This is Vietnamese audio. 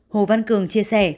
hồ văn cường chia sẻ